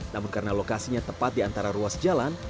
namun karena lokasinya tepat di antara ruas jalan